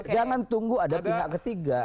jangan tunggu ada pihak ketiga